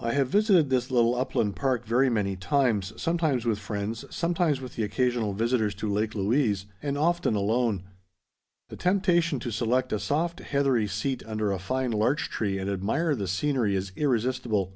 I have visited this little upland park very many times, sometimes with friends, sometimes with the occasional visitors to Lake Louise, and often alone. The temptation to select a soft heathery seat under a fine larch tree and admire the scenery is irresistible.